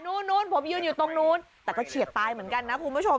นู้นผมยืนอยู่ตรงนู้นแต่ก็เฉียดตายเหมือนกันนะคุณผู้ชม